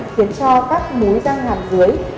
khiến cho các mũi răng hàm dưới